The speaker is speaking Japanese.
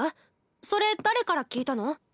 それ誰から聞いたの？